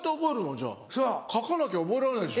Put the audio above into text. じゃあ書かなきゃ覚えられないでしょ。